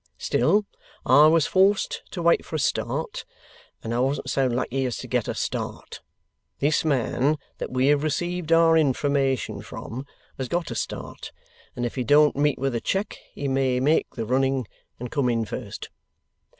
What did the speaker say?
Still I was forced to wait for a start, and I wasn't so lucky as to get a start. This man that we have received our information from, has got a start, and if he don't meet with a check he may make the running and come in first.